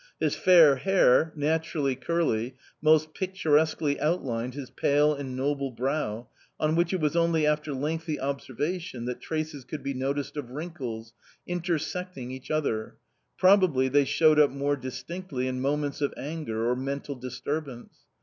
His fair hair, naturally curly, most picturesquely outlined his pale and noble brow, on which it was only after lengthy observation that traces could be noticed of wrinkles, intersecting each other: probably they showed up more distinctly in moments of anger or mental disturbance.